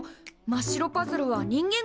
まっ白パズルは人間